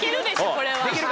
これは。